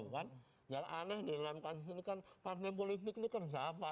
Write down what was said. yang aneh di dalam kasus ini kan partai politik ini kerja apa